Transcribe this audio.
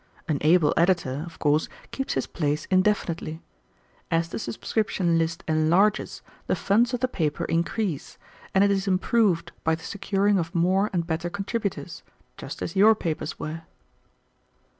An able editor, of course, keeps his place indefinitely. As the subscription list enlarges, the funds of the paper increase, and it is improved by the securing of more and better contributors, just as your papers were."